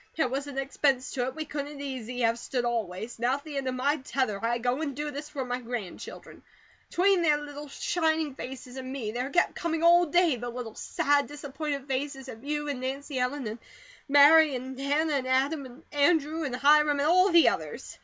There wasn't expense to it we couldn't easy have stood, always. Now, at the end of my tether, I go and do this for my grandchildren. 'Tween their little shining faces and me, there kept coming all day the little, sad, disappointed faces of you and Nancy Ellen, and Mary, and Hannah, and Adam, and Andrew, and Hiram and all the others.